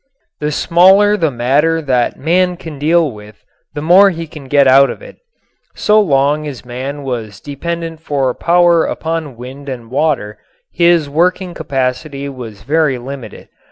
The smaller the matter that man can deal with the more he can get out of it. So long as man was dependent for power upon wind and water his working capacity was very limited.